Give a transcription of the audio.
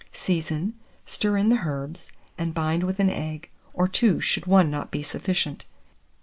Season, stir in the herbs, and bind with an egg, or 2 should 1 not be sufficient.